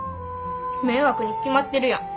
迷惑に決まってるやん。